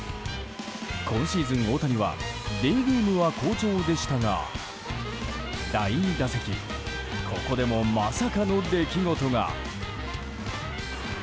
今シーズン、大谷はデーゲームは好調でしたが第２打席ここでもまさかの出来事が。